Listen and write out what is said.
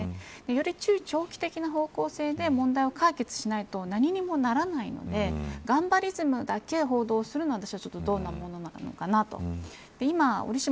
より中長期的な方向性で問題を解決しないと何にもならないのでガンバリズムだけ報道するのは私はどうなのかなと思います。